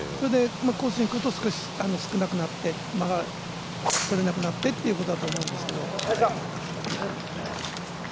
コースにいくと、少し少なくなって間がとれなくなってということだと思うんですけど。